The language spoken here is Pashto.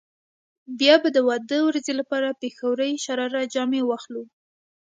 بيا به د واده ورځې لپاره پيښورۍ شراره جامې واخلو.